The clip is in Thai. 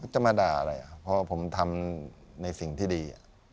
จับมาด่าเลยเพราะผมทำในสิ่งที่ดี